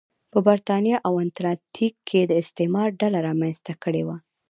په برېتانیا او اتلانتیک کې استعمار ډله رامنځته کړې وه.